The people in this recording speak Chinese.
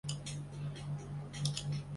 朴勍完是一名韩国男子棒球运动员。